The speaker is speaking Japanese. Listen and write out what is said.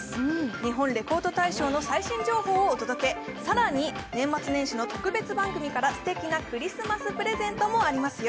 「日本レコード大賞」の最新情報をお届け、更に、年末年始の特別番組からすてきなクリスマスプレゼントもありますよ。